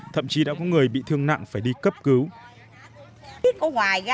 thậm chí đã có người bị thương nặng phải đi cấp cứu